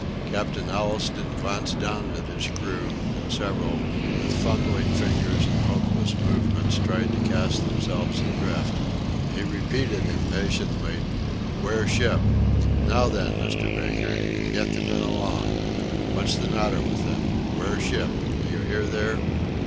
Captain Allistoun glanced down at his crew, and several, with fumbling fingers and hopeless movements, tried to cast themselves adrift. He repeated impatiently, "Wear ship. Now then, Mr. Baker, get the men along. What's the matter with them?" "Wear ship. Do you hear there?